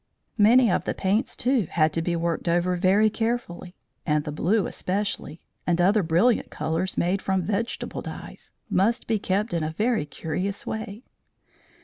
Many of the paints, too, had to be worked over very carefully; and the blue especially, and other brilliant colours made from vegetable dyes, must be kept in a very curious way.